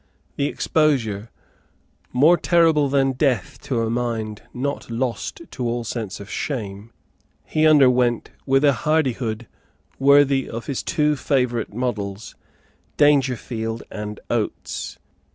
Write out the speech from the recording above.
The exposure, more terrible than death to a mind not lost to all sense of shame, he underwent with a hardihood worthy of his two favourite models, Dangerfield and Oates.